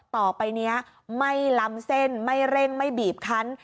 ต่อไปนี้ไม่ล้ำเส้นไม่เร่งไม่บีบคัน